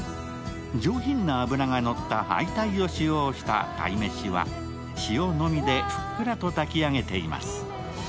上品な脂ののった愛鯛を使用した鯛めしは塩のみでふっくらと炊き上げています。